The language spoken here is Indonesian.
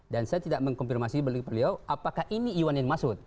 dan saya tidak mengkonfirmasi beliau apakah ini iwan yang masuk